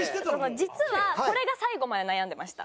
実はこれが最後まで悩んでました。